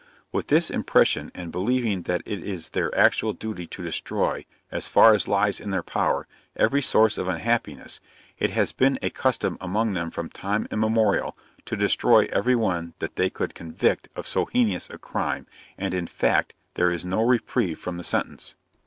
With this impression, and believing that it is their actual duty to destroy, as far as lies in their power, every source of unhappiness, it has been a custom among them from time immemorial, to destroy every one that they could convict of so heinous a crime; and in fact there is no reprieve from the sentence.